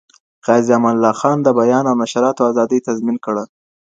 غازي امان الله خان د بیان او نشراتو آزادی تضمین کړه.